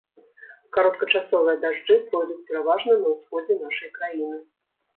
Кароткачасовыя дажджы пройдуць пераважна на ўсходзе нашай краіны.